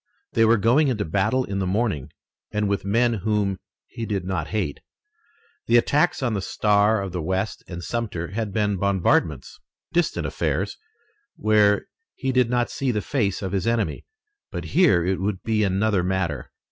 They were going into battle in the morning and with men whom he did not hate. The attacks on the Star of the West and Sumter had been bombardments, distant affairs, where he did not see the face of his enemy, but here it would be another matter.